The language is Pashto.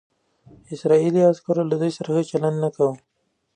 اسرائیلي عسکرو له دوی سره ښه چلند نه کاوه.